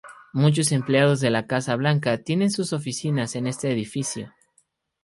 Muchos empleados de la Casa Blanca tienen sus oficinas en este edificio.